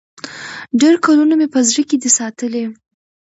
ډېر کلونه مي په زړه کي دی ساتلی